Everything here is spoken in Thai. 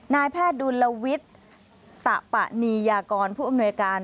นายแพทย์ดุลวิทย์ตะปะนียากรผู้อำนวยการ